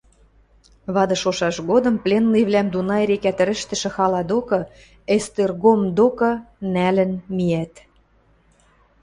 Вады шошаш годым пленныйвлӓм Дунай река тӹрӹштӹшӹ хала докы – Эстергом докы – нӓлӹн миӓт.